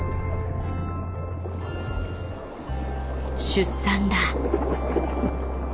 出産だ。